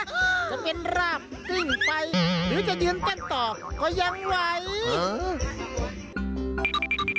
จะเป็นราบกิ้งไปหรือจะยืนเต้นต่อก็ยังไหวอืม